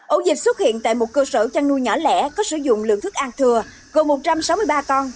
ổ dịch xuất hiện tại một cơ sở chăn nuôi nhỏ lẻ có sử dụng lượng thức ăn thừa gồm một trăm sáu mươi ba con